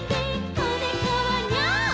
こねこはニャー」